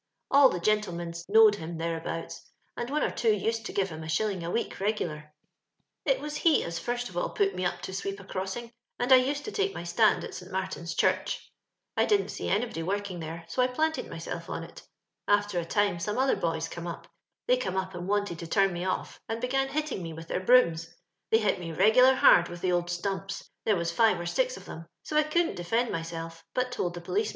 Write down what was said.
All the gentle ments knowed him thereabouts, and one or two used to give him a shilling a week re gidar. >*It waa he aa fint of an wot nevp toavMp a eroedng, and I uaed to tAe mjatandalSL Martin's Churdi. «•! didnt aee anybody wotUng €benb ao I nhnntedmyadf onit. After a time aonie other boya eome up. They eome up and wanted to turn me ofl^ and began hitting me with their faroom% — they hit me regular hard with the old etompa; there waa five or dz of thai; m I oouldn't defend niTadi; hut told the poBee.